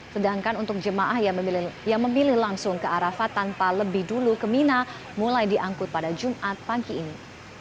sedangkan untuk jemaah yang memilih langsung ke arafat tanpa lebih dulu ke mina mulai diangkut pada jumat pagi ini